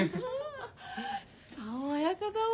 爽やかだわ。